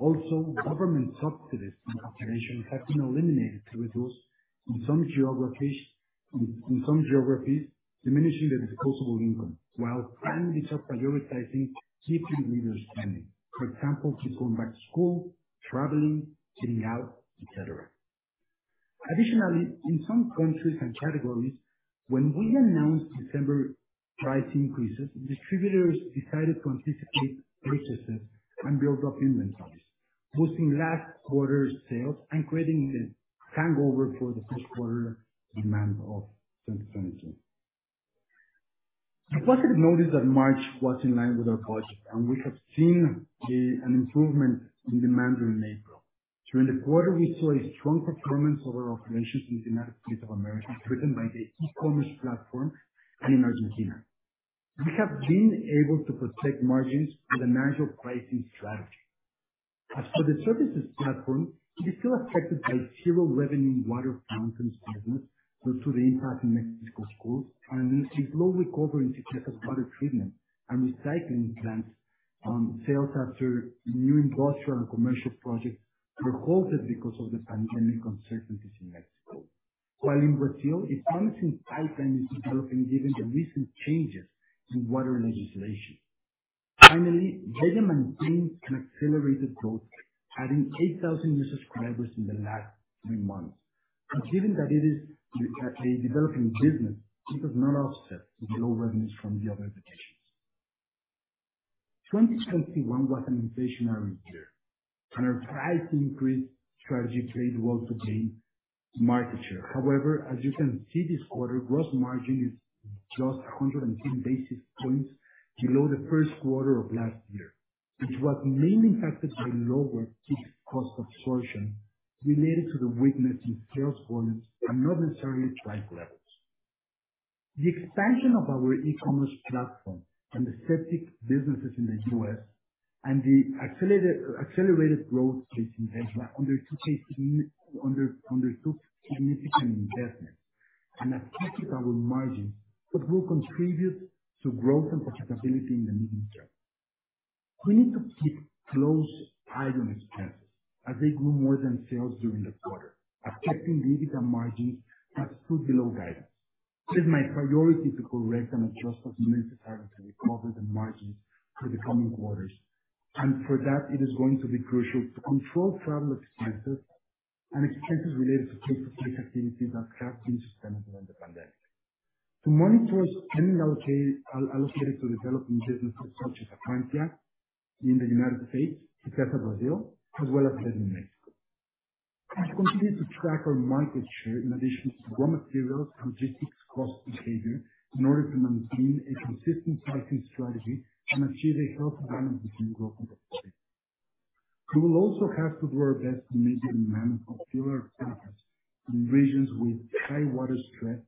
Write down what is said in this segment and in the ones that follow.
Government subsidies in some countries have been eliminated to reduce, in some geographies, diminishing the disposable income, while families are prioritizing key categories spending. For example, kids going back to school, traveling, eating out, et cetera. Additionally, in some countries and categories, when we announced December price increases, distributors decided to anticipate purchases and build up inventories, boosting last quarter's sales and creating the hangover for the first quarter demand of 2022. The positive note is that March was in line with our budget, and we have seen the improvement in demand in April. During the quarter, we saw a strong performance of our operations in the United States of America, driven by the e-commerce platform and in Argentina. We have been able to protect margins with a marginal pricing strategy. As for the services platform, it is still affected by zero-revenue water fountains business due to the impact in Mexico schools, and a slow recovery in Xitla's water treatment and recycling plants sales after new industrial and commercial projects were halted because of the pandemic uncertainties in Mexico. While in Brazil, Xitla's pipeline is developing given the recent changes in water legislation. Finally, VeDa maintains an accelerated growth, adding 8,000 new subscribers in the last three months. Given that it is a developing business, it does not offset the low revenues from the other divisions. 2021 was an inflationary year, and our price increase strategy played well to gain market share. However, as you can see this quarter, gross margin is just 110 basis points below the first quarter of last year, which was mainly impacted by lower fixed cost absorption related to the weakness in sales volumes and not necessarily price levels. The expansion of our e-commerce platform and the septic businesses in the U.S. and the accelerated growth phase in VeDa undertook significant investments and affected our margins, but will contribute to growth and profitability in the medium term. We need to keep a close eye on expenses as they grew more than sales during the quarter, affecting EBITDA margins that stood below guidance. It is my priority to correct and adjust as necessary to recover the margins for the coming quarters. For that, it is going to be crucial to control travel expenses and expenses related to face-to-face activities that have been suspended during the pandemic. To monitor spending allocated to developing businesses such as Aquania in the United States, Xitla Brazil, as well as VeDa in Mexico. We continue to track our market share in addition to raw materials, logistics, cost behavior in order to maintain a consistent pricing strategy and achieve a healthy balance between growth and profitability. We will also have to do our best to manage the demand for filler tanks in regions with high water stress,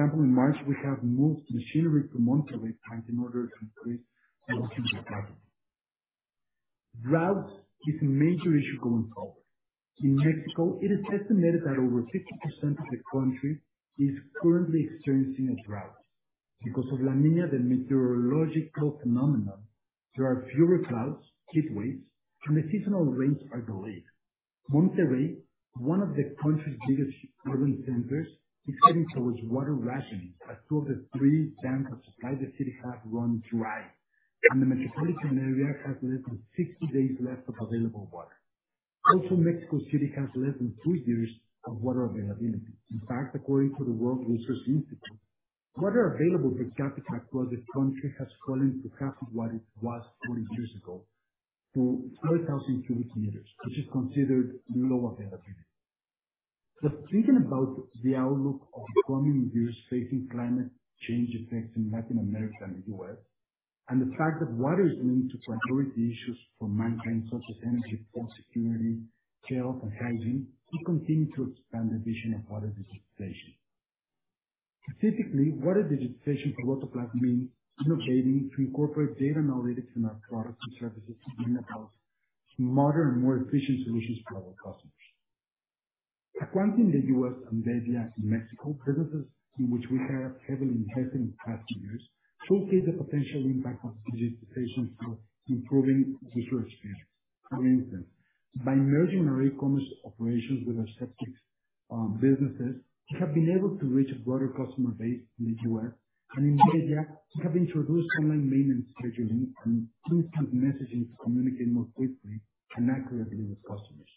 such as Nuevo León in Mexico. For example, in March, we have moved machinery to Monterrey plant in order to increase local capacity. Drought is a major issue going forward. In Mexico, it is estimated that over 50% of the country is currently experiencing a drought. Because of La Niña, the meteorological phenomenon, there are fewer clouds, heat waves, and the seasonal rains are delayed. Monterrey, one of the country's biggest urban centers, is heading towards water rationing as two of the three dams that supply the city have run dry, and the metropolitan area has less than 60 days left of available water. Also, Mexico City has less than two years of water availability. In fact, according to the World Resources Institute, water available per capita across the country has fallen to half of what it was 20 years ago to 3,000 cubic meters, which is considered below availability. Just thinking about the outlook of the coming years facing climate change effects in Latin America and the U.S., and the fact that water is going to priority issues for mankind such as energy, food security, health, and hygiene, we continue to expand the vision of water digitization. Specifically, water digitization for Rotoplas means innovating to incorporate data and analytics in our products and services to bring about modern, more efficient solutions for our customers. Aquanta in the U.S. and in Mexico, businesses in which we have heavily invested in the past years, showcase the potential impact of digitization for improving resource use. For instance, by merging our e-commerce operations with our septics businesses, we have been able to reach a broader customer base in the U.S., and in Mexico, we have introduced online maintenance scheduling and instant messaging to communicate more quickly and accurately with customers.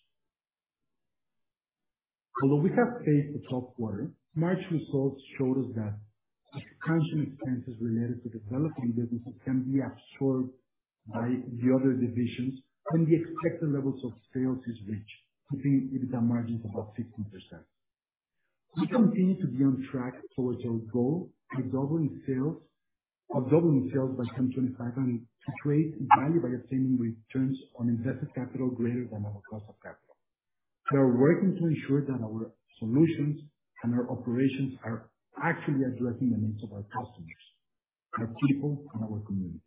Although we have paid the tough quarter, March results showed us that the transition expenses related to developing businesses can be absorbed by the other divisions when the expected levels of sales is reached, keeping EBITDA margins above 16%. We continue to be on track towards our goal of doubling sales by 2025 and to create value by obtaining returns on invested capital greater than our cost of capital. We are working to ensure that our solutions and our operations are actually addressing the needs of our customers, our people, and our communities.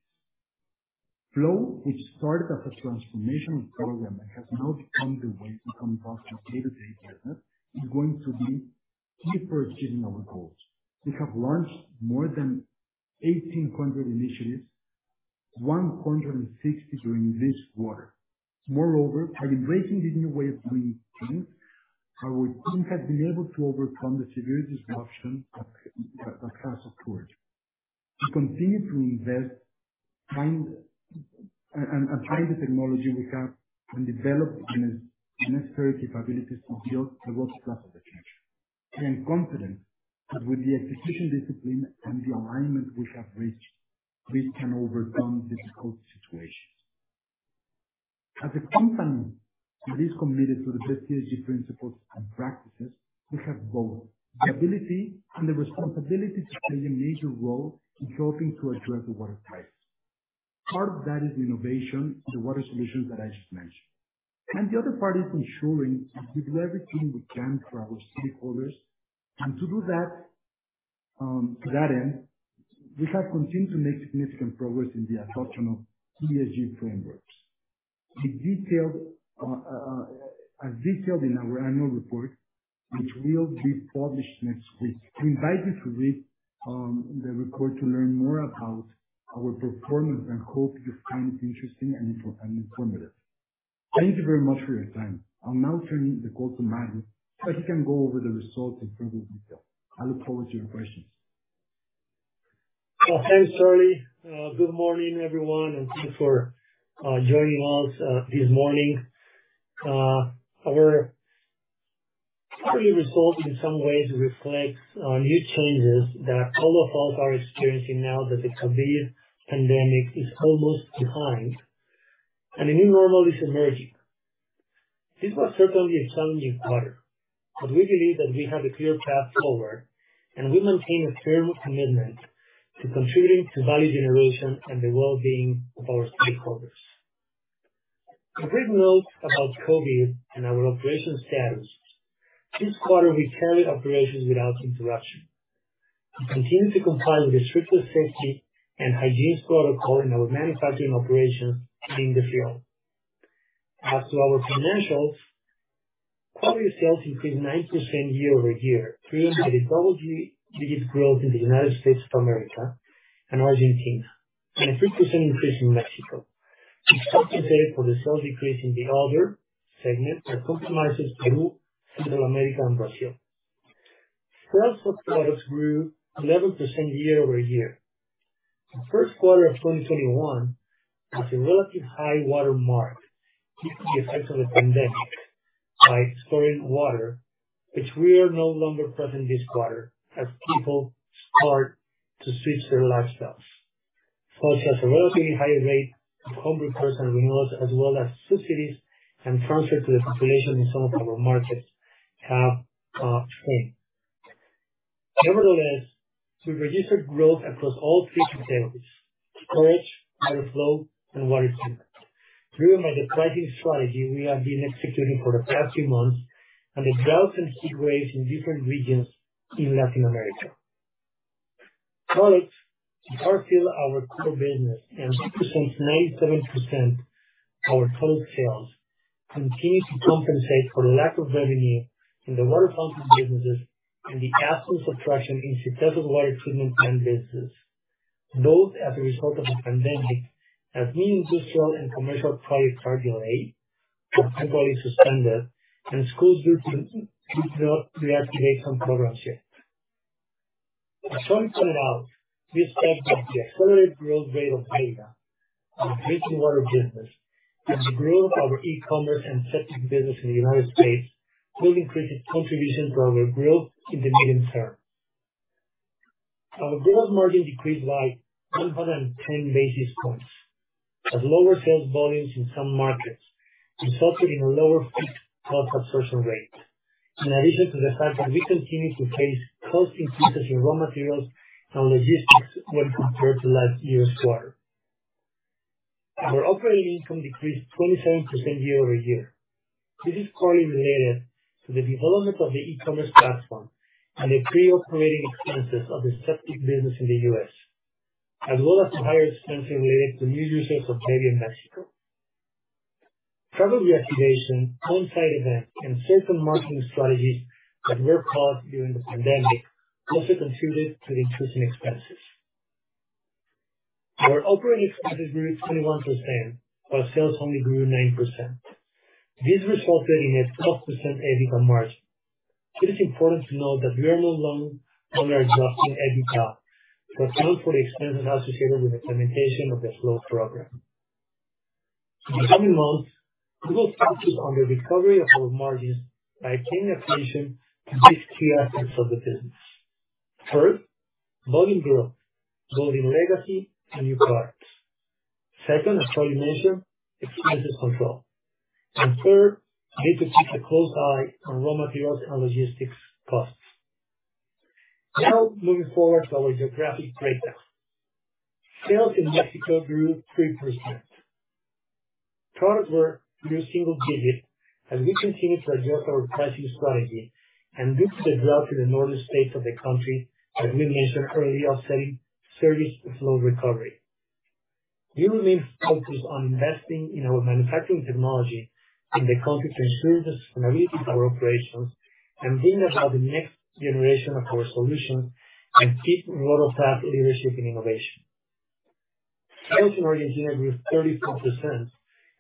Flow, which started as a transformational program and has now become the way we conduct our day-to-day business, is going to be key for achieving our goals. We have launched more than 1,800 initiatives, 160 during this quarter. Moreover, by embracing this new way of doing things, our team has been able to overcome the severe disruption of a lack of storage. We continue to invest in and apply the technology we have and develop the necessary capabilities to build the world's best water tech. I am confident that with the execution discipline and the alignment we have reached, we can overcome difficult situations. As a company that is committed to the best ESG principles and practices, we have both the ability and the responsibility to play a major role in helping to address the water crisis. Part of that is innovation in the water solutions that I just mentioned. The other part is ensuring we do everything we can for our stakeholders. To do that, to that end, we have continued to make significant progress in the adoption of ESG frameworks. As detailed in our annual report, which will be published next week, we invite you to read the report to learn more about our performance, and hope you find it interesting and informative. Thank you very much for your time. I'll now turn the call to Mario, so he can go over the results in further detail. I look forward to your questions. Well, thanks, Charly. Good morning, everyone, and thanks for joining us this morning. Our quarterly results in some ways reflect new challenges that all of us are experiencing now that the COVID pandemic is almost behind and a new normal is emerging. This was certainly a challenging quarter, but we believe that we have a clear path forward, and we maintain a firm commitment to contributing to value generation and the well-being of our stakeholders. A brief note about COVID and our operation status. This quarter, we carried operations without interruption and continued to comply with the strictest safety and hygiene protocol in our manufacturing operations in the field. As to our financials, quarter sales increased 9% year-over-year, driven by the double-digit growth in the United States of America and Argentina, and a 3% increase in Mexico. We compensated for the sales decrease in the other segment that comprises Peru, Central America, and Brazil. Sales of products grew 11% year-over-year. The first quarter of 2021 was a relatively high watermark due to the effects of the pandemic by storing water, which we are no longer present this quarter as people start to switch their lifestyles. Plus, as a relatively high rate of home repairs and renewals, as well as subsidies and transfers to the population in some of our markets have fallen. Nevertheless, we registered growth across all three categories, storage, water flow, and water treatment, driven by the pricing strategy we have been executing for the past few months and the droughts and heat waves in different regions in Latin America. Products, the heart and soul of our core business and represents 97% our total sales, continue to compensate for the lack of revenue in the water pumping businesses and the absence of traction in successive water treatment plant business, both as a result of the pandemic, as many industrial and commercial projects are delayed or temporarily suspended, and schools group to not reactivate on program shift. As Charly pointed out, we expect the accelerated growth rate of Ayga, our drinking water business, and the growth of our e-commerce and septic business in the United States will increase its contribution to our growth in the medium term. Our gross margin decreased by 110 basis points, as lower sales volumes in some markets resulted in a lower fixed cost absorption rate, in addition to the fact that we continue to face cost increases in raw materials and logistics when compared to last year's quarter. Our operating income decreased 27% year-over-year. This is partly related to the development of the e-commerce platform and the pre-operating expenses of the septic business in the U.S., as well as the higher expenses related to new users of Teria in Mexico. Travel reactivation, on-site events, and sales and marketing strategies that were paused during the pandemic also contributed to the increasing expenses. Our operating expenses grew 21%, while sales only grew 9%. This resulted in a 12% EBITDA margin. It is important to note that we are no longer adjusting EBITDA to account for the expenses associated with the implementation of the Flow program. In the coming months, we will focus on the recovery of our margins by paying attention to these key aspects of the business. First, volume growth, both in legacy and new products. Second, as Charly mentioned, expenses control. Third, we need to keep a close eye on raw materials and logistics costs. Now, moving forward to our geographic breakdown. Sales in Mexico grew 3%. Product sales were really in single digits, and we continue to adjust our pricing strategy and boost the growth in the northern states of the country, as we mentioned earlier, offsetting service and Flow recovery. We remain focused on investing in our manufacturing technology and the continued improvements to our analytics and operations, and think about the next generation of our solutions and keep our water tank leadership and innovation. Sales in origin grew 34%,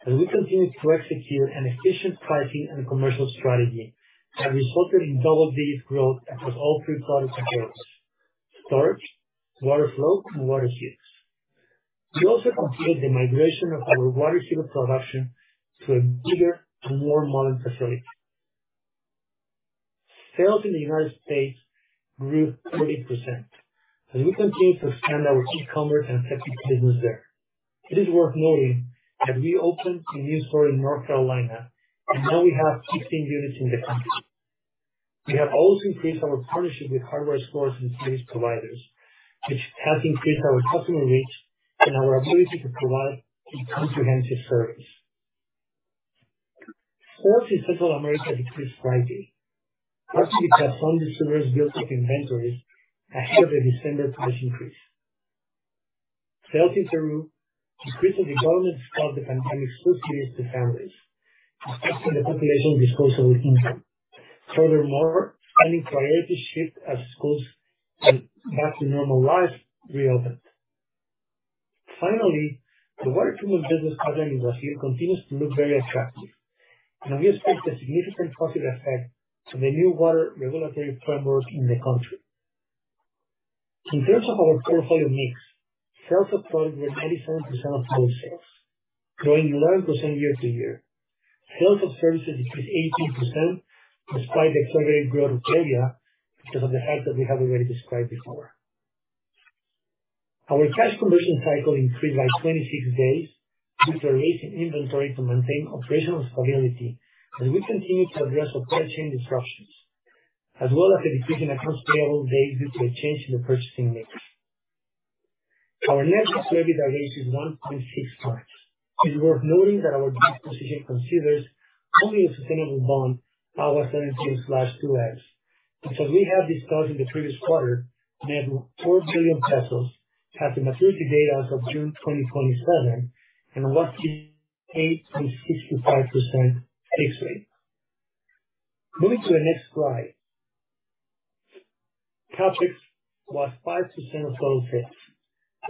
and we continue to execute an efficient pricing and commercial strategy that resulted in double-digit growth across all three product categories, storage, water flow, and water heaters. We also completed the migration of our water heater production to a bigger and more modern facility. Sales in the United States grew 30%, and we continue to expand our e-commerce and septic business there. It is worth noting that we opened a new store in North Carolina and now we have 15 units in the country. We have also increased our partnership with hardware stores and service providers, which has increased our customer reach and our ability to provide a comprehensive service. Sales in Central America decreased slightly, partially because some consumers built up inventories ahead of the December price increase. Sales in Peru decreased as the government fought the pandemic so seriously to families, affecting the population's disposable income. Furthermore, spending priorities shift as schools and back to normal lives reopened. Finally, the water treatment business pattern in Brazil continues to look very attractive, and we expect a significant positive effect from the new water regulatory framework in the country. In terms of our portfolio mix, sales of products were 87% of total sales, growing 11% year-to-year. Sales of services decreased 18% despite the accelerated growth of Teria because of the effects that we have already described before. Our cash conversion cycle increased by 26 days due to an increase in inventory to maintain operational stability as we continue to address our supply chain disruptions, as well as a decrease in accounts payable days due to a change in the purchasing mix. Our net debt to EBITDA is 1.6x. It's worth noting that our debt position considers only the sustainable bond, AGUA 17-2X, which as we have discussed in the previous quarter, net 4 billion pesos, has a maturity date of June 2027 and with 8.65% fixed rate. Moving to the next slide. CapEx was 5% of total sales,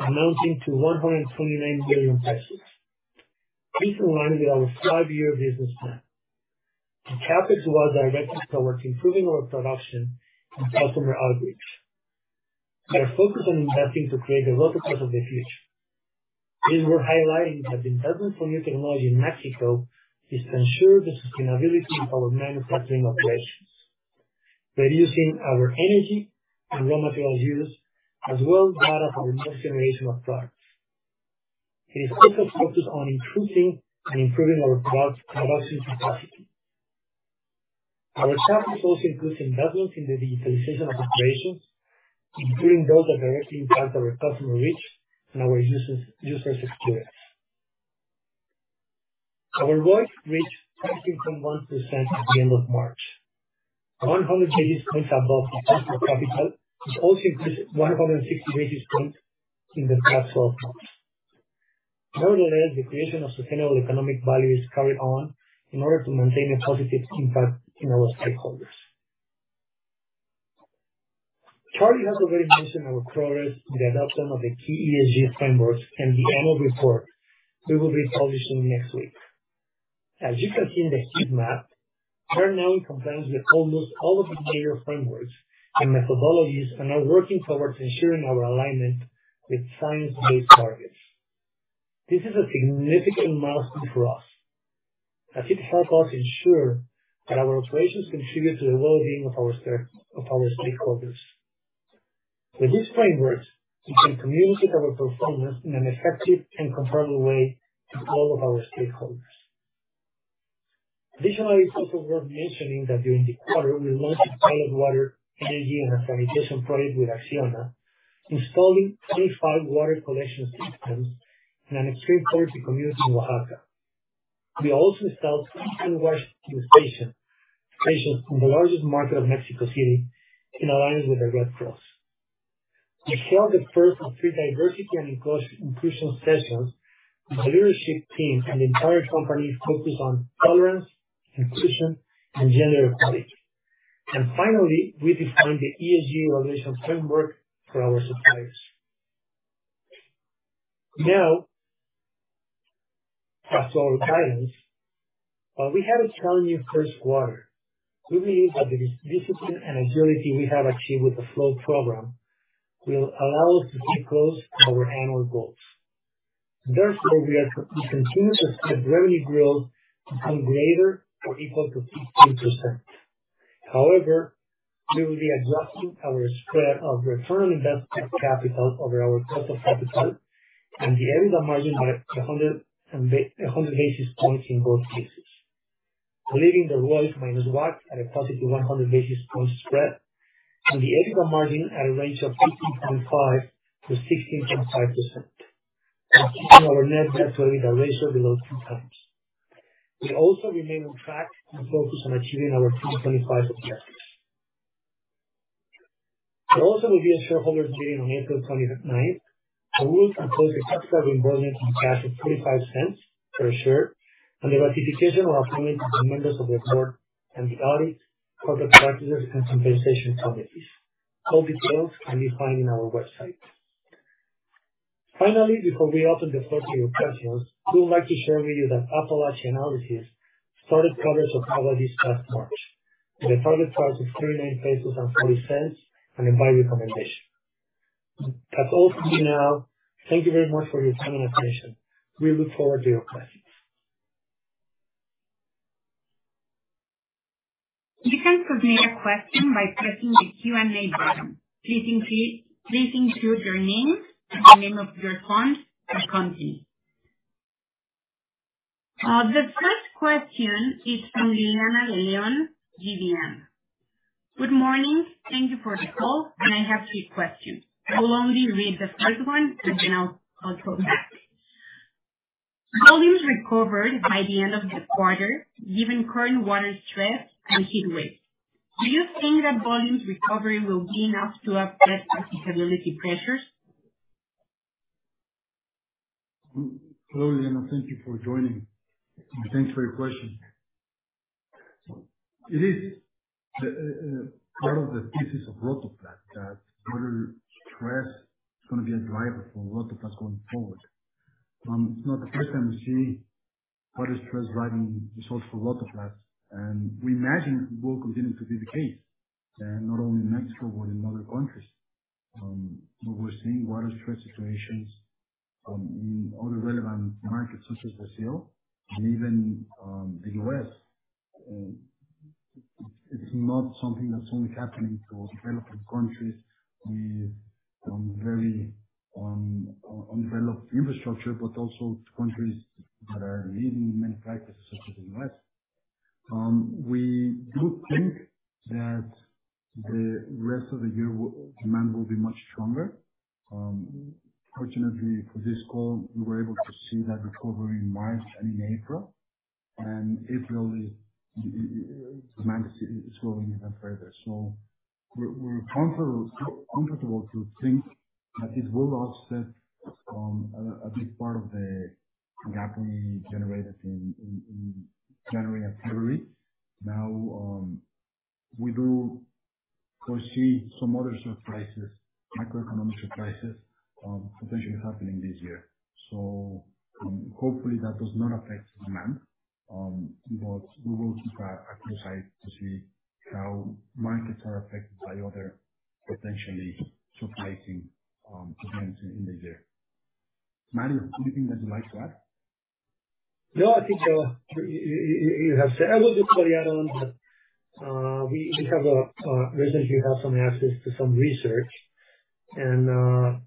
amounting to MXN 129 billion. This aligns with our five-year business plan. The CapEx was directed towards improving our production and customer outreach, and a focus on investing to create the water tap of the future. It is worth highlighting that the investment for new technology in Mexico is to ensure the sustainability of our manufacturing operations, reducing our energy and raw materials used, as well as R&D for the next generation of products. It is also focused on increasing and improving our product production capacity. Our CapEx also includes investments in the digitalization of operations, including those that directly impact our customer reach and our users experience. Our ROIC reached 13.1% at the end of March, 100 basis points above adjusted capital, which also increased 160 basis points in the past 12 months. Nevertheless, the creation of sustainable economic value is carried on in order to maintain a positive impact in our stakeholders. Charly has already mentioned our progress in the adoption of the key ESG frameworks and the annual report we will be publishing next week. As you can see in the heat map, we are now in compliance with almost all of the major frameworks and methodologies and are working towards ensuring our alignment with science-based targets. This is a significant milestone for us as it helps us ensure that our operations contribute to the well-being of our stakeholders. With this framework, we can communicate our performance in an effective and comparable way to all of our stakeholders. Additionally, it's also worth mentioning that during the quarter, we launched a solid water, energy, and sanitation project with ACCIONA, installing 25 water collection systems in an extreme poverty community in Oaxaca. We also installed 50 handwashing stations in the largest market of Mexico City in alliance with the Red Cross. We held the first of three diversity and inclusion sessions with the leadership team and the entire company focused on tolerance, inclusion, and gender equality. Finally, we defined the ESG evaluation framework for our suppliers. Now, as for our guidance, we had a challenging first quarter. We believe that the discipline and agility we have achieved with the Flow program will allow us to stay close to our annual goals. Therefore, we are continuing to set revenue growth to something greater or equal to 15%. However, we will be adjusting our spread of return on invested capital over our total capital and the EBITDA margin by 100 basis points in both cases, leaving the ROIC minus WACC at a positive 100 basis point spread and the EBITDA margin at a range of 15.5%-16.5% and keeping our net debt-to-EBITDA ratio below 2x. We also remain on track and focused on achieving our 2025 objectives. There also will be a shareholders' meeting on April 29th, and we will propose a cash dividend payment in cash of MXN 0.25 per share and the ratification or appointment of the members of the board and the audit, corporate practices, and compensation committees. All details can be found in our website. Finally, before we open the floor to your questions, we would like to share with you that Appalachia Analysis started coverage of Abraji's stock in March with a target price of 39.40 and a buy recommendation. That's all from me now. Thank you very much for your time and attention. We look forward to your questions. You can submit a question by pressing the Q&A button. Please include your name and the name of your fund and company. The first question is from Liliana De León, GBM. Good morning. Thank you for the call. I have three questions. I will only read the first one, and then I'll go back. Volumes recovered by the end of the quarter, given current water stress and heat waves, do you think that volumes recovery will be enough to offset profitability pressures? Hello, Liliana. Thank you for joining. Thanks for your question. It is part of the thesis of water stress that water stress is gonna be a driver for water plus going forward. It's not the first time we see water stress driving results for water plus, and we imagine it will continue to be the case, not only in Mexico but in other countries. We're seeing water stress situations in other relevant markets such as Brazil and even the U.S. It's not something that's only happening to developing countries with very undeveloped infrastructure, but also countries that are leading many practices such as the U.S. We do think that the rest of the year demand will be much stronger. Fortunately for this call, we were able to see that recovery in March and in April. April is showing even further. We're comfortable to think that this will offset a big part of the gap we generated in January and February. Now, we do foresee some other surprises, macroeconomic surprises, potentially happening this year. Hopefully that does not affect demand, but we will keep a close eye to see how markets are affected by other potentially surprising events in the year. Mario, do you think that you'd like to add? No, I think you have said. I will just add on that we recently have some access to some research and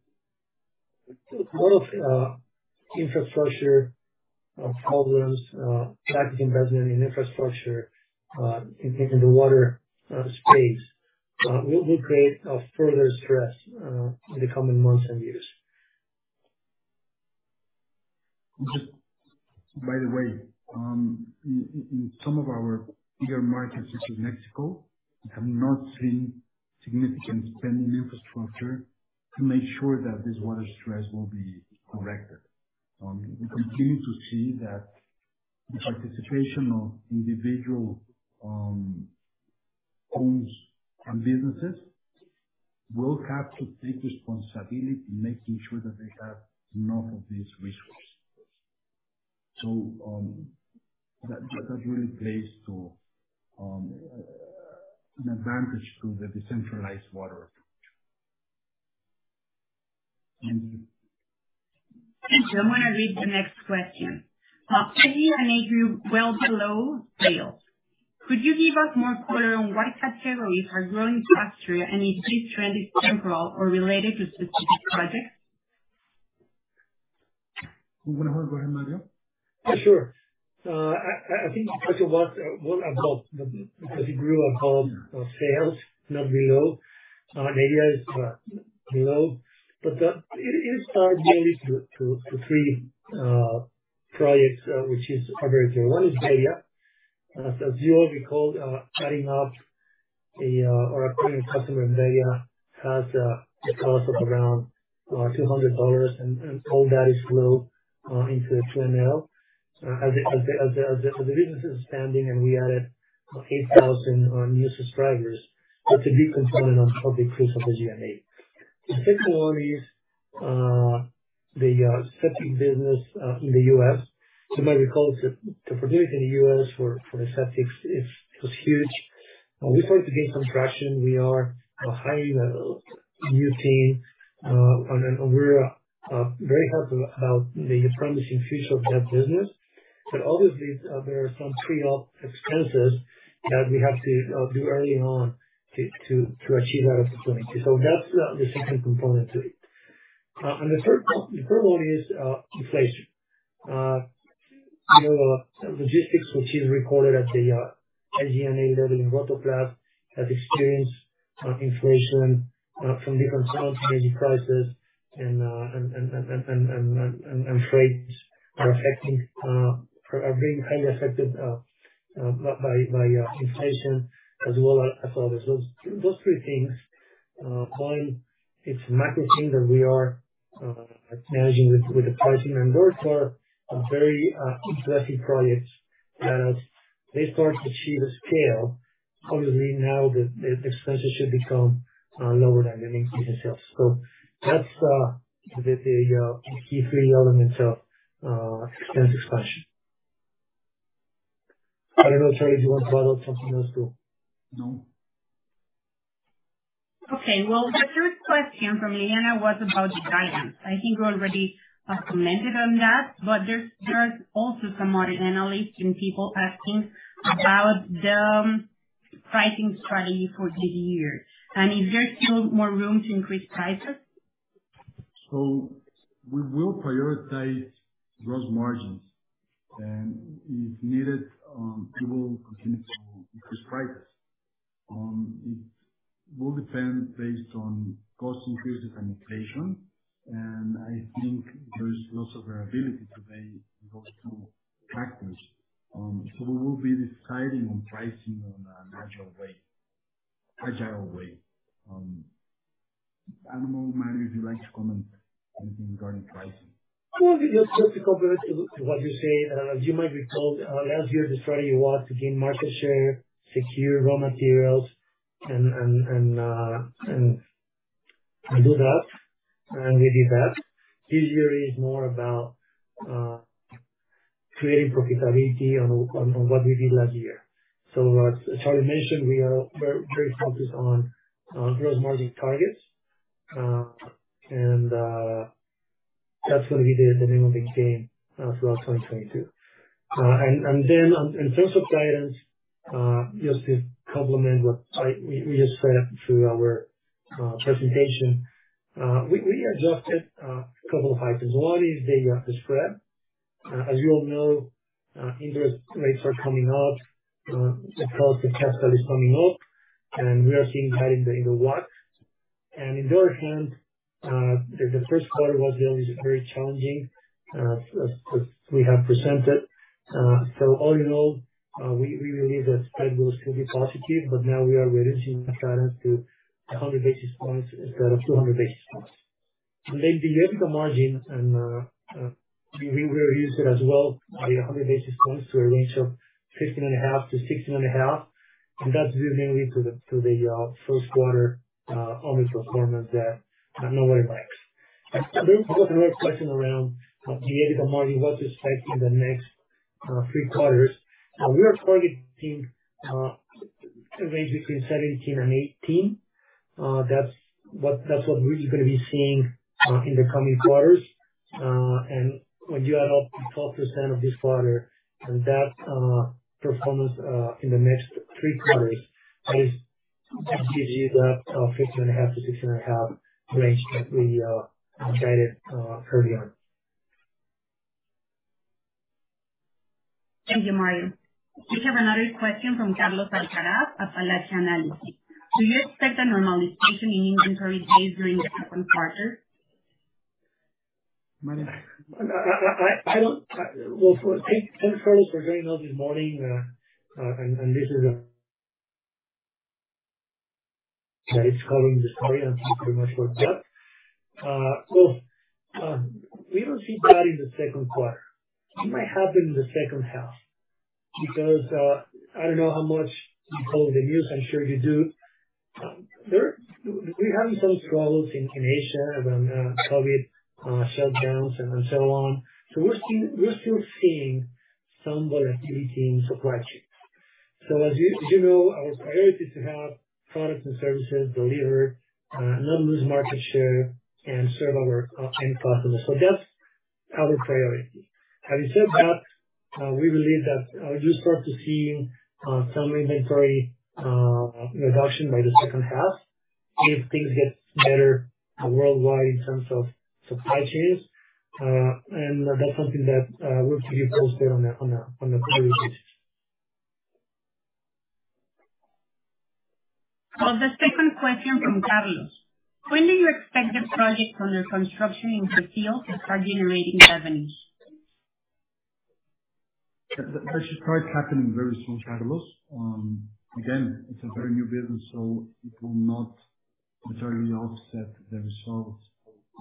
a lot of infrastructure problems, lack of investment in infrastructure in the water space will create a further stress in the coming months and years. Just by the way, in some of our bigger markets such as Mexico, we have not seen significant spend in infrastructure to make sure that this water stress will be corrected. We continue to see that the participation of individual homes and businesses will have to take responsibility in making sure that they have enough of this resource. That really plays to an advantage to the decentralized water approach. Thank you. Thank you. I'm gonna read the next question. SG&A well below sales. Could you give us more color on why SG&A are growing faster and if this trend is temporary or related to specific projects? We're gonna go ahead, Mario. Sure. I think the question was more about the, because it grew above sales, not below. Maybe it is below. It started mainly due to three projects, which are very clear. One is bebbia. As you all recall, acquiring a customer in bebbia has a cost of around $200, and all that flows into the P&L. As the business is standing and we added 8,000 new subscribers, that's a big component of the increase of the SG&A. The second one is the septic business in the U.S. So you might recall the productivity in the U.S. for the septics was huge. We started to gain some traction. We are a high-level new team, and we're very happy about the promising future of that business. Obviously, there are some pre-op expenses that we have to do early on to achieve that opportunity. That's the second component to it. The third one is inflation. You know, logistics, which is recorded at the SG&A level in Rotoplas, has experienced inflation from different sources. Energy prices and freights are being highly affected by inflation as well as others. Those three things, one, it's marketing that we are managing with the pricing, and those are very interesting projects that they start to achieve a scale. Obviously, now the expenses should become lower than the increase in sales. That's the key three elements of expense expansion. I don't know, Charly, you want to add something else too? No. Okay. Well, the third question from Liliana was about the guidance. I think you already commented on that, but there are also some other analysts and people asking about the pricing strategy for this year. Is there still more room to increase prices? We will prioritize gross margins. If needed, we will continue to increase prices. It will depend based on cost increases and inflation. I think there is lots of variability today in regards to pricing. We will be deciding on pricing in a natural, agile way. I don't know, Mario, if you'd like to comment anything regarding pricing. Just to complement what you say. As you might recall, last year the strategy was to gain market share, secure raw materials, and do that, and we did that. This year is more about creating profitability on what we did last year. As Carlos mentioned, we are very, very focused on growth margin targets. And then in terms of guidance, just to complement what we just said through our presentation, we adjusted a couple of items. One is the spread. As you all know, interest rates are coming up. The cost of capital is coming up, and we are seeing that in the WACC. On the other hand, the first quarter was always very challenging, as we have presented. All in all, we believe that spread will still be positive, but now we are reducing the guidance to 100 basis points instead of 200 basis points. The EBITDA margin, we reduced it as well by 100 basis points to a range of 15.5%-16.5%. That's mainly due to the first quarter earnings performance that nobody likes. There was another question around the EBITDA margin, what to expect in the next three quarters. We are targeting a range between 17% and 18%. That's what we're gonna be seeing in the coming quarters. When you add up the 12% of this quarter and that performance in the next three quarters gives you that 15.5%-16.5% range that we guided earlier. Thank you, Mario. We have another question from Carlos Alcaraz at Palatio Analysis. Do you expect the normalization in inventory days during the second quarter? Mario. I don't. Well, thanks, Carlos, for bringing up this morning. Yeah, it's covering the story. I'm pretty much worked up. We don't see that in the second quarter. It might happen in the second half. Because I don't know how much you follow the news, I'm sure you do. We're having some struggles in Asia around COVID shutdowns and so on. We're still seeing some volatility in supply chain. As you know, our priority is to have products and services delivered, not lose market share and serve our end customers. That's our priority. Having said that, we believe that you start to see some inventory reduction by the second half if things get better worldwide in terms of supply chains. That's something that we'll keep you posted on the priorities. Well, the second question from Carlos: When do you expect the projects under construction in Brazil to start generating revenues? That should start happening very soon, Carlos. Again, it's a very new business, so it will not necessarily offset the results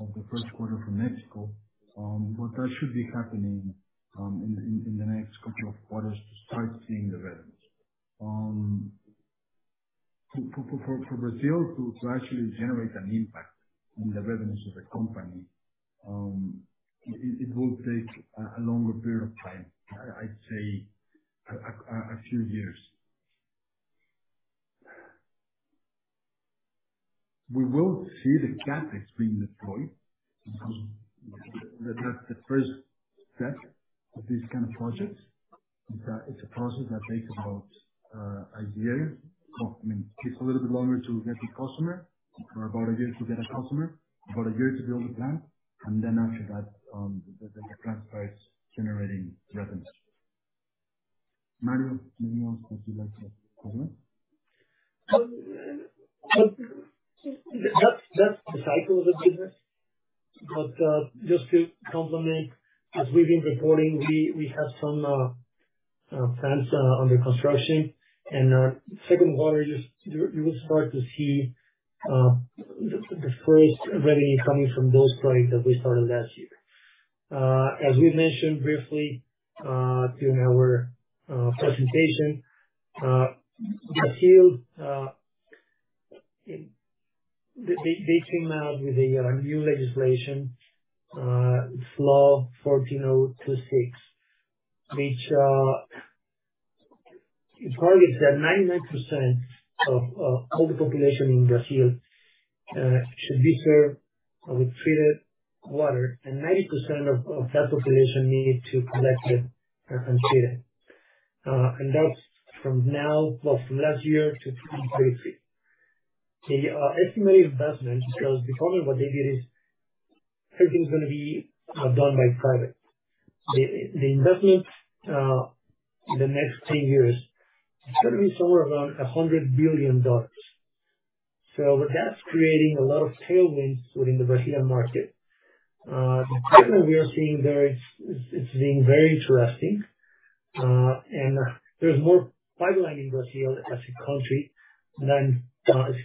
of the first quarter from Mexico, but that should be happening in the next couple of quarters to start seeing the revenues. For Brazil to actually generate an impact on the revenues of the company, it will take a few years. We will see the gap between the two. That's the first step of this kind of project. It's a process that takes about a year. I mean, it takes a little bit longer to get the customer, about a year to get a customer, about a year to build the plant, and then after that, the plant starts generating revenues. Mario, anything else that you'd like to comment? That's the cycle of the business. Just to complement, as we've been reporting, we have some plants under construction. Second quarter, you will start to see the first revenue coming from those projects that we started last year. As we've mentioned briefly, during our presentation, Brazil, they came out with a new legislation, Law 14026, which it targets that 99% of all the population in Brazil should be served with treated water and 90% of that population needed to collect it and treat it. Well, that's from last year to 2033. The estimated investment, because the problem what they did is everything's gonna be done by private. The investment in the next 10 years is gonna be somewhere around $100 billion. That's creating a lot of tailwinds within the Brazilian market. The treatment we are seeing there is being very interesting. There's more pipeline in Brazil as a country than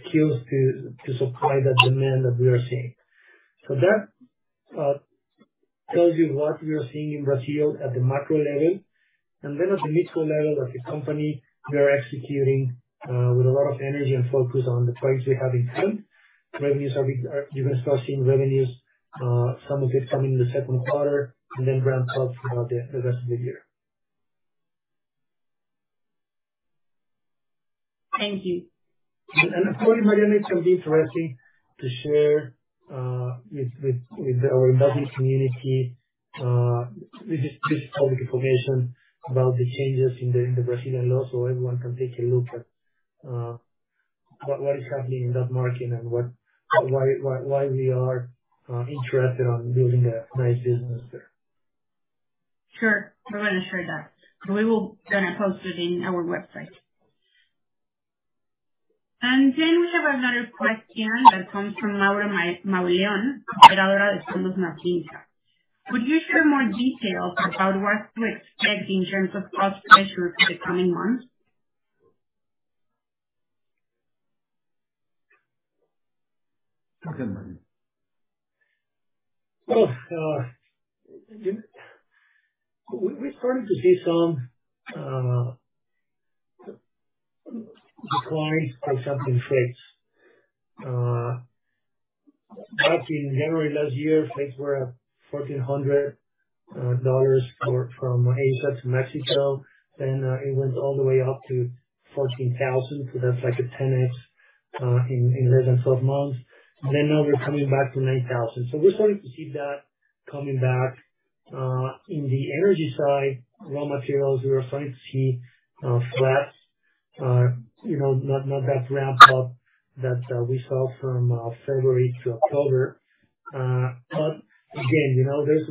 skills to supply the demand that we are seeing. That tells you what we are seeing in Brazil at the macro level. At the micro level of the company, we are executing with a lot of energy and focus on the projects we have in hand. You're gonna start seeing revenues, some of it coming in the second quarter and then ramped up throughout the rest of the year. Thank you. Of course, Mariana, it will be interesting to share with our investing community. This is just public information about the changes in the Brazilian law, so everyone can take a look at what is happening in that market and why we are interested on building a nice business there. Sure. We're gonna share that. We will get it posted on our website. We have another question that comes from Laura Malone, Fernandez de Santos Martins. Would you share more details of how to work with specs in terms of cost pressures for the coming months? Go ahead, Mario. Well, we started to see some decline for something fixed. Back in January last year, rates were at $1,400 from Asia to Mexico. It went all the way up to $14,000. That's like a 10x in less than 12 months. Now we're coming back to $9,000. We're starting to see that coming back. In the energy side, raw materials, we are starting to see flats. You know, not that ramp up that we saw from February to October. Again, you know, there's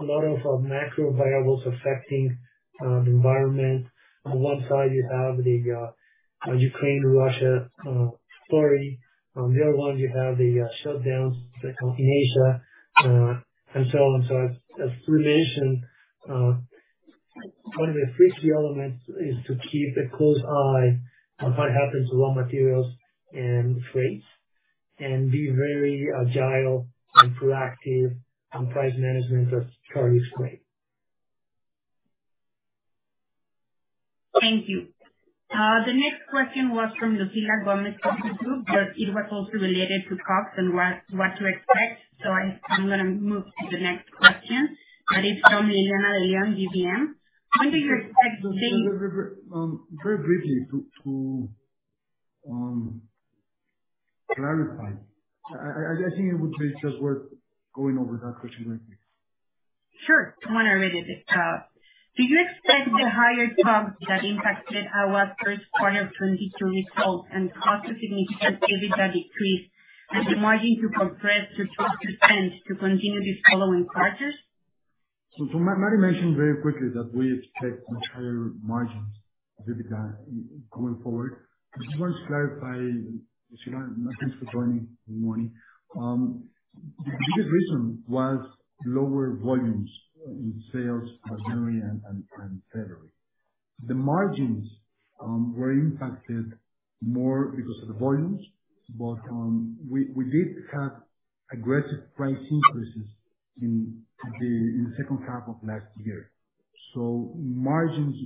a lot of macro variables affecting the environment. On one side you have the Ukraine-Russia story. On the other one you have the shutdowns that come in Asia and so on. One of the risky elements is to keep a close eye on what happens to raw materials and freights. Be very agile and proactive on price management as Charlie explained. Thank you. The next question was from Lucila Gómez of Vitru, but it was also related to COGS and what to expect. I'm gonna move to the next question. That is from Liliana De León, GBM. When do you expect the- Very briefly to clarify. I think it would be just worth going over that question very quick. Sure. I want to read it. Do you expect the higher COGS that impacted our first quarter 2022 results and caused significant EBITDA decrease as the margin compressed to 12% to continue in the following quarters? Mario mentioned very quickly that we expect much higher margins of EBITDA going forward. I just want to clarify, Lucila, thanks for joining, good morning. The biggest reason was lower volumes in sales for January and February. The margins were impacted more because of the volumes. We did have aggressive price increases in the second half of last year. Margins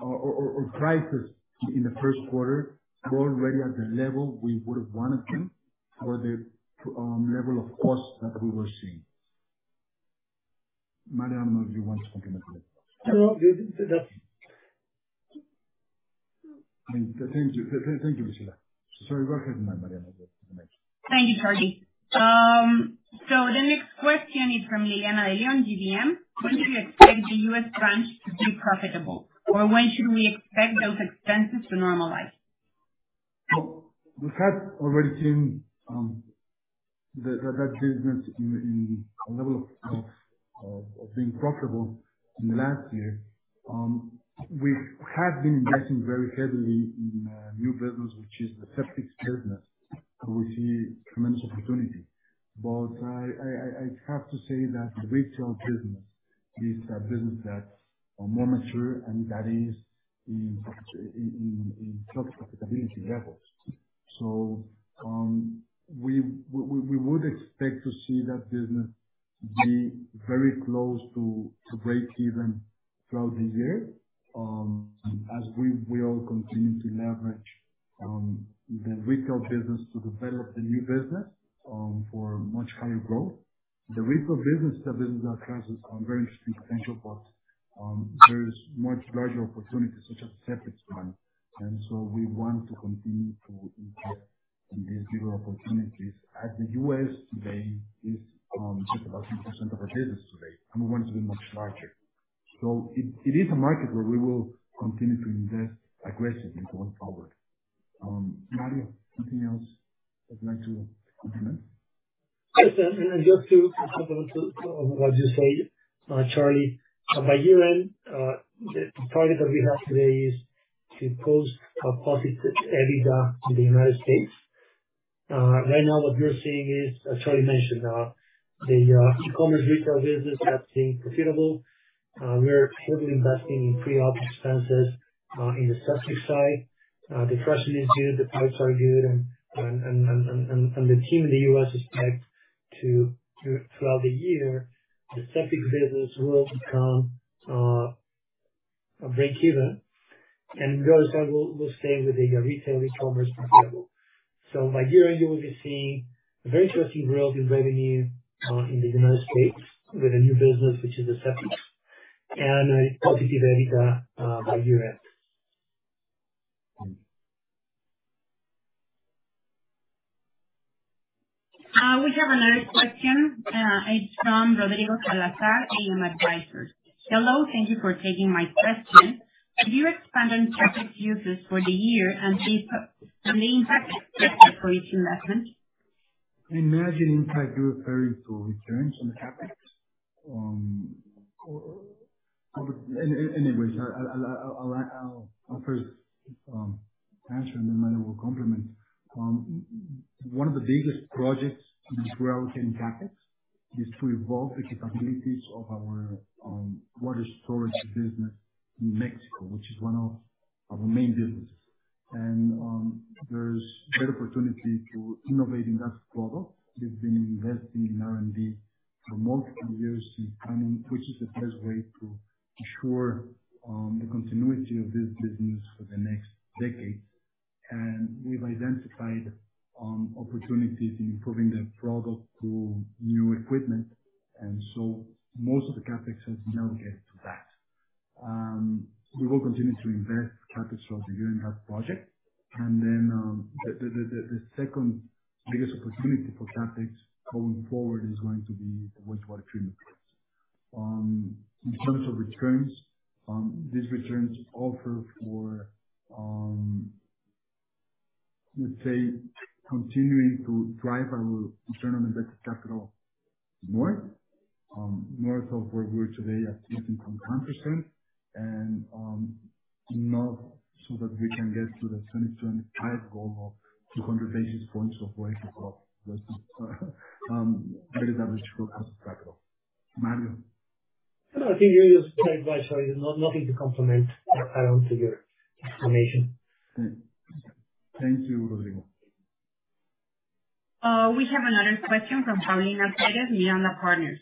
or prices in the first quarter were already at the level we would have wanted them for the level of costs that we were seeing. Mario, I don't know if you want to comment that. No, that's- Thank you. Thank you, Lucila. Sorry, go ahead, Mario. Thank you, Charly. The next question is from Liliana De León, GBM. When do you expect the U.S. branch to be profitable, or when should we expect those expenses to normalize? We've already seen that business in a level of being profitable in the last year. We have been investing very heavily in new business, which is the septics business, where we see tremendous opportunity. I have to say that the retail business is a business that's more mature and that is in self-profitability levels. We would expect to see that business be very close to breakeven throughout this year, as we all continue to leverage the retail business to develop the new business for much higher growth. The retail business, the business that has very interesting potential but there is much larger opportunities such as septics one. We want to continue to invest in these bigger opportunities, as the U.S. today is just about 10% of our business today, and we want it to be much larger. It is a market where we will continue to invest aggressively going forward. Mario, anything else you'd like to comment? Just to touch on what you say, Charlie. By year-end, the target that we have today is to post a positive EBITDA in the United States. Right now, what you're seeing is, as Charlie mentioned, the e-commerce retail business has been profitable. We are heavily investing in pre-op expenses in the septic side. The question is good, the parts are good and the team in the U.S. expects, throughout the year, the septic business will become a breakeven. The other side will stay with the retail e-commerce profitable. By year-end, you will be seeing very interesting growth in revenue in the United States with a new business, which is the septics and a positive EBITDA by year-end. We have another question, it's from Rodrigo Salazar, AM Advisors. Hello, thank you for taking my question. Have you expanded CapEx uses for the year and the impact for each investment? I imagine, in fact, you're referring to returns on CapEx. Anyways, I'll first answer and then Mario will complement. One of the biggest projects in growth in CapEx is to evolve the capabilities of our water storage business in Mexico, which is one of our main businesses. There's great opportunity to innovate in that product. We've been investing in R&D for multiple years to find which is the best way to ensure the continuity of this business for the next decades. We've identified opportunities in improving the product through new equipment. Most of the CapEx has now gone to that. We will continue to invest CapEx throughout the year in that project. The second biggest opportunity for CapEx going forward is going to be the wastewater treatment plants. In terms of returns, let's say, continuing to drive our return on invested capital north of where we are today at 15.5% and north so that we can get to the 2025 goal of 200 basis points above weighted average cost of capital. Mario. No, I think you're just quite right. Nothing to complement or add on to your explanation. Thank you, Rodrigo. We have another question from Paulina Perez, Miranda Partners.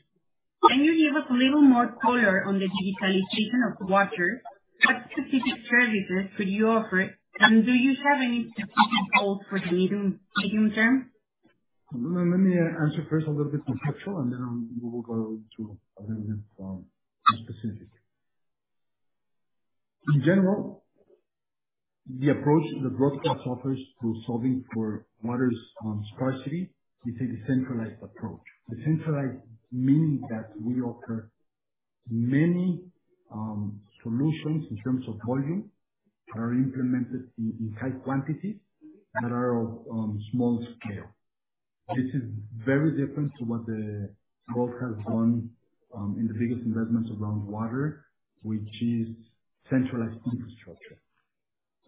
Can you give us a little more color on the digitalization of water? What specific services could you offer it, and do you have any specific goals for the medium term? Let me answer first a little bit conceptual, and then we will go to a little bit more specific. In general, the approach that Rotoplas offers to solving for water scarcity is a decentralized approach. Decentralized meaning that we offer many solutions in terms of volume that are implemented in high quantities that are of small scale. This is very different to what the world has done in the biggest investments around water, which is centralized infrastructure.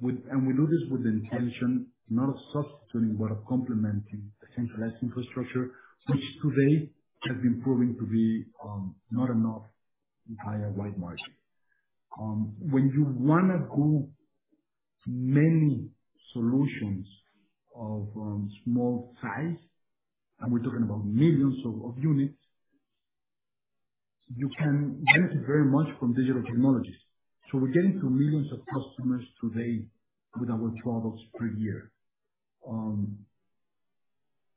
We do this with the intention not of substituting, but of complementing the centralized infrastructure, which today has been proving to be not enough by a wide margin. When you wanna go many solutions of small size, and we're talking about millions of units. You can benefit very much from digital technologies. We're getting to millions of customers today with our bottles per year.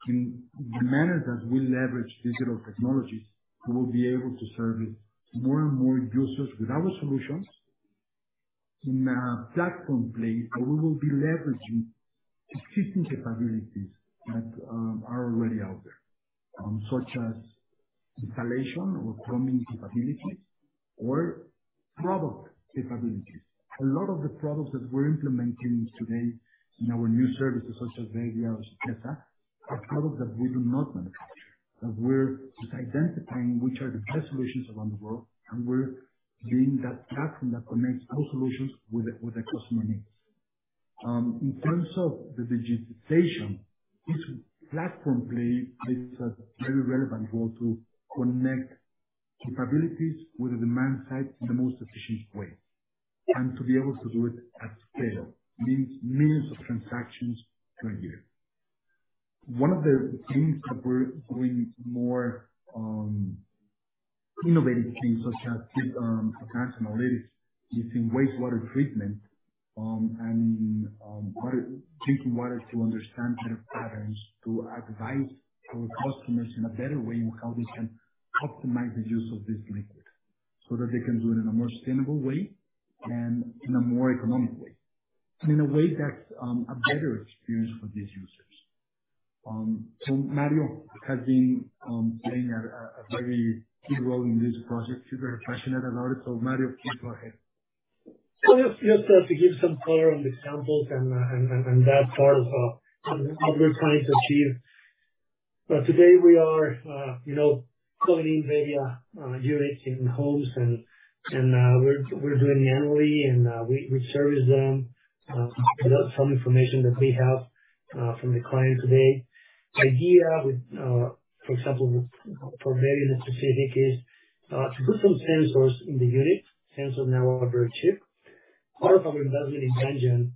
In the manner that we leverage digital technologies, we will be able to service more and more users with our solutions. In a platform play, we will be leveraging existing capabilities that are already out there, such as installation or plumbing capabilities or product capabilities. A lot of the products that we're implementing today in our new services such as bebbia or Sytesa are products that we do not manufacture. That we're just identifying which are the best solutions around the world, and we're being that platform that connects those solutions with the customer needs. In terms of the digitization, this platform play is very relevant for to connect capabilities with the demand side in the most efficient way and to be able to do it at scale. Means millions of transactions per year. One of the things that we're doing more innovative things such as advanced analytics using wastewater treatment and drinking water to understand better patterns, to advise our customers in a better way in how they can optimize the use of this liquid so that they can do it in a more sustainable way and in a more economic way, and in a way that's a better experience for these users. Mario has been playing a very key role in this project. He's very passionate about it. Mario, please go ahead. Just to give some color on the examples and that part of what we're trying to achieve. Today we are, you know, coding Veia units in homes and we're doing them annually, and we service them without some information that we have from the client today. The idea with, for example, for Veia specifically is to put some sensors in the unit, sensors in our water chip. Part of our investment in Neutrinco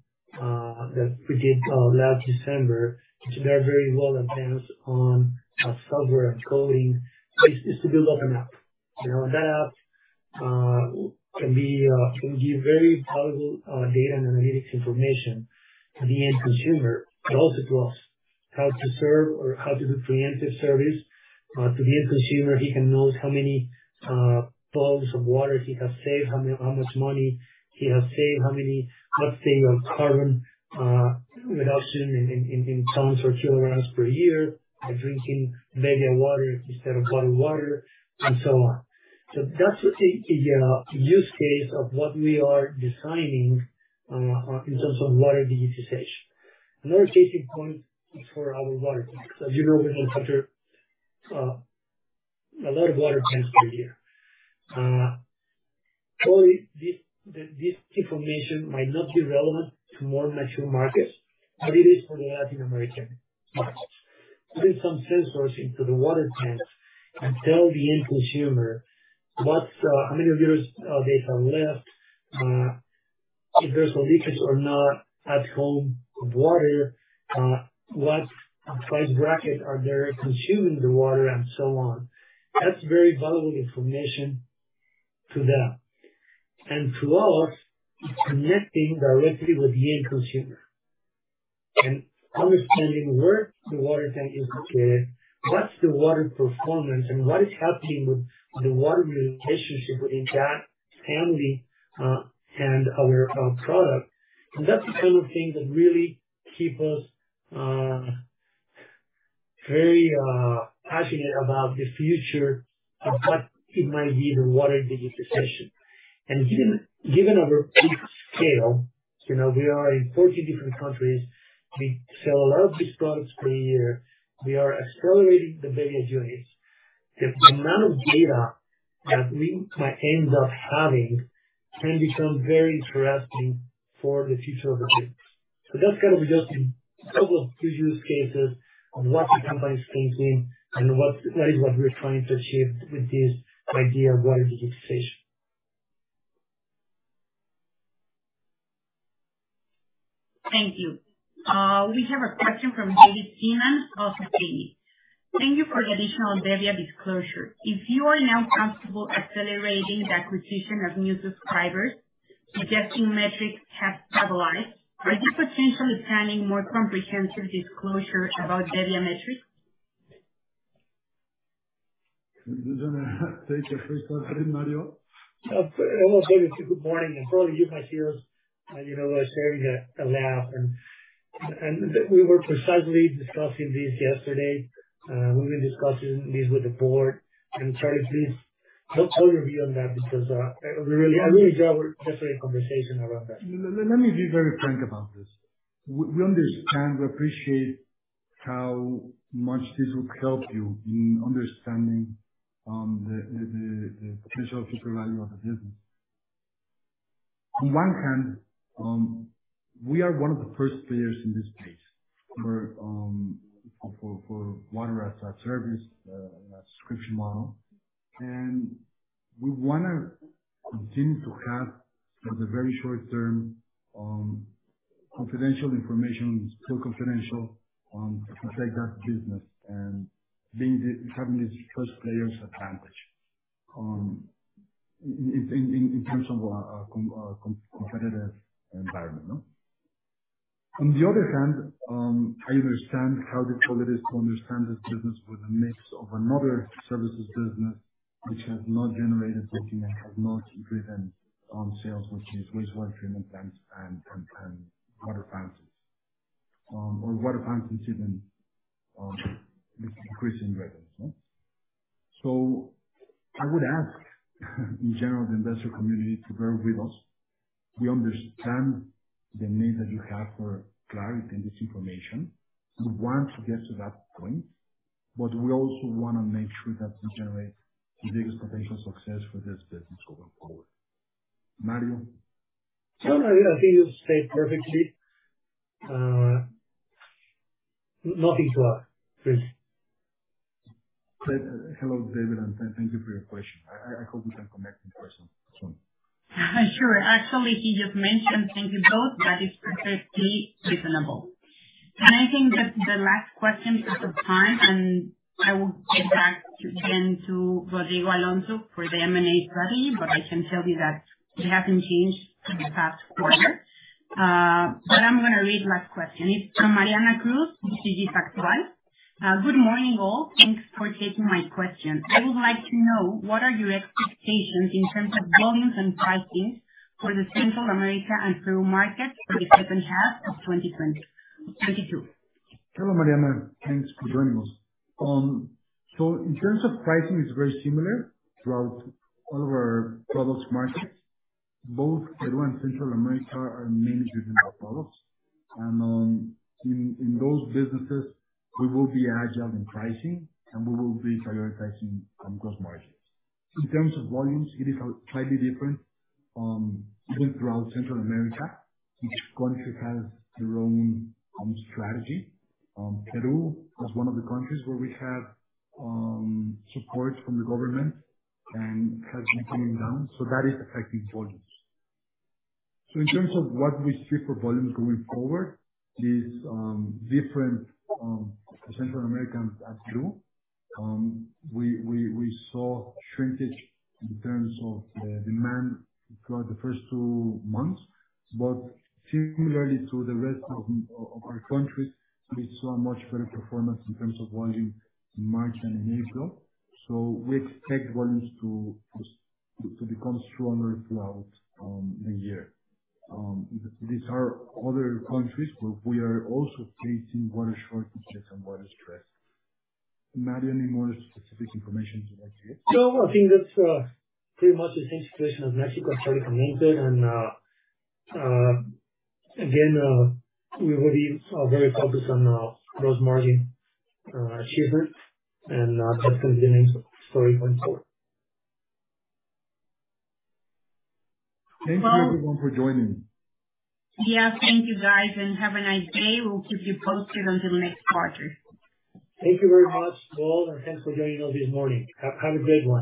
that we did last December, which went very well advanced on software and coding is to build up an app. You know, that app can give very valuable data and analytics information to the end consumer, but also to us. How to serve or how to do preemptive service. To the end consumer, he can know how many bottles of water he has saved, how much money he has saved, how many tons of carbon reduction in tons or kilograms per year by drinking bebbia water instead of bottled water, and so on. That's the use case of what we are designing in terms of water digitization. Another case in point is for our water tanks. As you know, we manufacture a lot of water tanks per year. Probably this information might not be relevant to more mature markets, but it is for the Latin American markets. Putting some sensors into the water tanks and tell the end consumer what, how many liters of water left, if there's a leakage or not at home of water, what price bracket are they consuming the water and so on. That's very valuable information to them and to us connecting directly with the end consumer and understanding where the water tank is located, what's the water performance, and what is happening with the water relationship within that family, and our product. That's the sort of things that really keep us very passionate about the future of what it might be the water digitization. Given our big scale, you know, we are in 40 different countries. We sell a lot of these products per year. We are accelerating the Veia units. The amount of data that we might end up having can become very interesting for the future of the business. That's kind of just a couple of two use cases of what the company is facing and what, that is what we're trying to achieve with this idea of water as a decision. Thank you. We have a question from David Seaman of Citi. Thank you for the additional debt disclosure. If you are now comfortable accelerating the acquisition of new subscribers, suggesting metrics have stabilized, are you potentially planning more comprehensive disclosure about debt metrics? Do you wanna take the first one, Mario? Well, David, good morning, and probably you might hear, you know, Sergio laugh. We were precisely discussing this yesterday. We've been discussing this with the board. Charlie, please tell your view on that because we really enjoy our yesterday conversation around that. Let me be very frank about this. We understand, we appreciate how much this would help you in understanding the potential future value of the business. On one hand, we are one of the first players in this space for water as a service subscription model. We wanna continue to have sort of very short term confidential information, still confidential, to protect our business and having this first player's advantage in terms of our competitive environment, no? On the other hand, I understand how difficult it is to understand this business with a mix of another services business which has not generated cash and has not driven sales, which is wastewater treatment plants and water balances, or water balances even, is decreasing revenues. I would ask in general the investor community to bear with us. We understand the need that you have for clarity in this information. We want to get to that point, but we also wanna make sure that we generate the biggest potential success for this business going forward. Mario? No, I think you said it perfectly. Nothing to add. Really. Hello, David, and thank you for your question. I hope we can connect in person soon. Sure. Actually, he just mentioned. Thank you both. That is perfectly reasonable. I think that's the last question for the time, and I will get back again to Rodrigo Alonso for the M&A strategy, but I can tell you that it hasn't changed from the past quarter. But I'm gonna read last question. It's from Mariana Cruz with BBVA Actinver. Good morning, all. Thanks for taking my question. I would like to know what are your expectations in terms of volumes and pricing for the Central America and Peru markets for the second half of 2022. Hello, Mariana. Thanks for joining us. In terms of pricing, it's very similar throughout all of our products markets. Both Peru and Central America are mainly regional products. In those businesses we will be agile in pricing, and we will be prioritizing gross margins. In terms of volumes, it is slightly different even throughout Central America. Each country has their own strategy. Peru is one of the countries where we have support from the government and has been coming down, so that is affecting volumes. In terms of what we see for volumes going forward is different to Central America and Peru. We saw shrinkage in terms of the demand throughout the first two months, but similarly to the rest of our countries, we saw much better performance in terms of volume in March and April. We expect volumes to become stronger throughout the year. These are other countries where we are also facing water shortages and water stress. Mario, any more specific information you'd like to give? No, I think that's pretty much the same situation as Mexico, Charly mentioned. Again, we will be very focused on gross margin achievements and that's going to be the main story going forward. Thank you everyone for joining. Yeah. Thank you guys, and have a nice day. We'll keep you posted on the next quarter. Thank you very much, all, and thanks for joining us this morning. Have a great one.